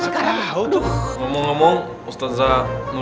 cuma apa bagaiman u warahmu